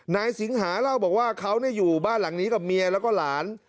นายสิงหาเล่าบอกว่าเขาอยู่บ้านหลังนี้กับเมียแล้วก็หลาน